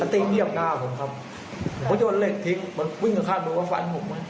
มันตีเยี่ยมหน้าผมผมก็ยนต์เล็กทิ้งวิ่งกับข้ามือว่าฝันผม